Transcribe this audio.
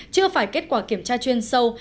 chưa phải kết quả kiểm tra chuyên sâu